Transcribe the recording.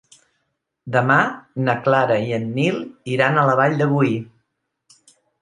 Demà na Clara i en Nil iran a la Vall de Boí.